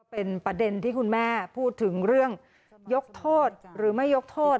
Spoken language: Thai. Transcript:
เป็นประเด็นที่คุณแม่พูดถึงเรื่องยกโทษหรือไม่ยกโทษ